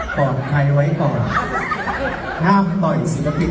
หลวงไขว้ก่อนงามหน้าเกี่ยวกับสสินตะพิค